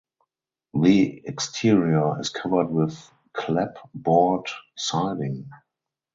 The exterior is covered with clapboard siding.